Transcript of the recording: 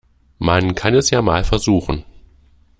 Man kann es ja mal versuchen.